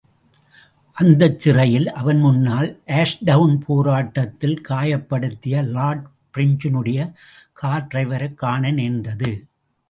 அந்தச் சிறையில் அவன் முன்னால் ஆஷ்டவுன் போராட்டத்தில் காயப்படுத்திய லார்ட் பிரெஞ்சினுடைய கார் டிரைவரைக்காண நேர்ந்தது.